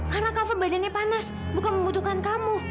karena kak fah badannya panas bukan membutuhkan kamu